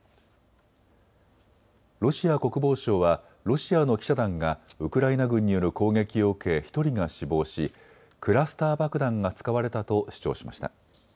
ロシア国防省はロシアの記者団がウクライナ軍による攻撃を受け１人が死亡し、クラスター爆弾が使われたと主張しました。